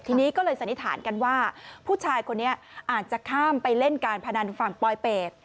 ทีนี้ก็เลยสันนิษฐานกันว่าผู้ชายคนนี้อาจจะข้ามไปเล่นการพนันฝั่งปลอยเป็ด